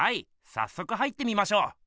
さっそく入ってみましょう。